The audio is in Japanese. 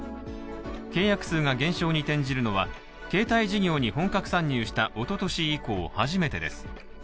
契約数が減少に転じるのは、携帯事業に本格参入したおととし以降、初めてです。